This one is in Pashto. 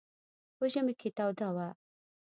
په ژمي کې توده وه.